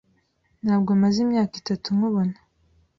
Ntabwo maze imyaka itatu nkubona.